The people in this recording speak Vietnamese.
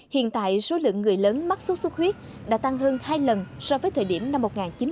hiện tại số lượng người lớn mắc sốt xuất huyết đã tăng hơn hai lần so với thời điểm năm một nghìn chín trăm chín mươi